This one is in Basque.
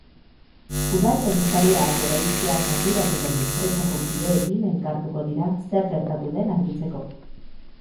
Udal teknikariak eraisteaz arduratu den enpresako kideekin elkartuko dira zer gertatu den argitzeko.